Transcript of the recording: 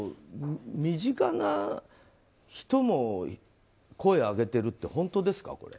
身近な人も声上げてるって本当ですか？